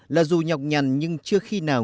là dù nhọc nhằn nhưng chưa khi nào